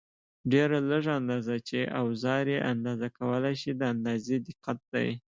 ډېره لږه اندازه چې اوزار یې اندازه کولای شي د اندازې دقت دی.